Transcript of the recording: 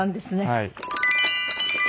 はい。